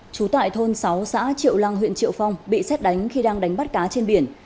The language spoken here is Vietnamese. trú tại thôn sáu xã triệu lang huyện triệu phong bị xét đánh khi đang đánh bắt cá trên biển